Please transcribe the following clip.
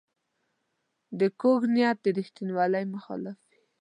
کوږ نیت د ریښتینولۍ مخالف وي